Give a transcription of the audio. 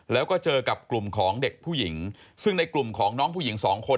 แล้วก็เจอกับกลุ่มของเด็กผู้หญิงซึ่งในกลุ่มของน้องผู้หญิงสองคน